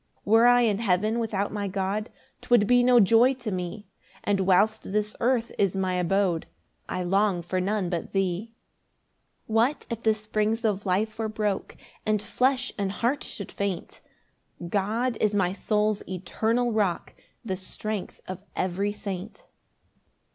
3 Were I in heaven without my God, 'Twould be no joy to me; And whilst this earth is my abode, I long for none but thee. 4 What if the springs of life were broke, And flesh and heart should faint! God is my soul's eternal rock, The strength of every saint.